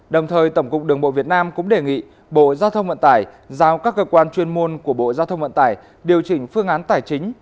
đồng thời tổng cục đường bộ việt nam cũng đề nghị bộ giao thông vận tải giao các cơ quan chuyên môn của bộ giao thông vận tải điều chỉnh phương án tài chính